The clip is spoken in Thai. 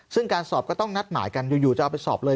ซึ่งการสอบก็ต้องนัดหมายกันอยู่จะเอาไปสอบเลย